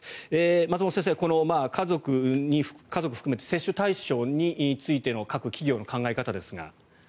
松本先生、家族含めて接種対象についての各企業の考え方ですが。